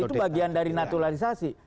itu bagian dari naturalisasi